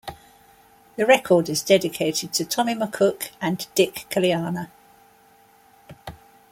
The record is dedicated to Tommy McCook and Dick Qualiana.